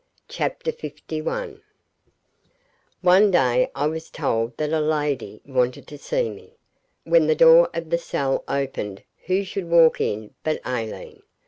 Chapter 51 One day I was told that a lady wanted to see me. When the door of the cell opened who should walk in but Aileen!